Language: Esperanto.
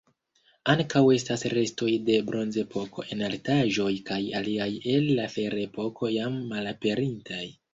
Ankaŭ estas restoj de Bronzepoko en altaĵoj kaj aliaj el la Ferepoko jam malaperintaj.